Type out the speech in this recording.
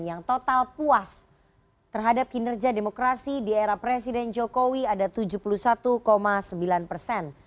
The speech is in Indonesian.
yang total puas terhadap kinerja demokrasi di era presiden jokowi ada tujuh puluh satu sembilan persen